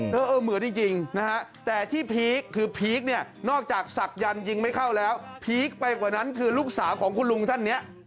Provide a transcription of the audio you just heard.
เหมือนจริงแต่ที่พีคนอกจากศักดิ์ยันทร์จริงไม่เข้าแล้วพีคไปกว่านั้นคือลูกสาวของคุณลุงท่านเนี่ย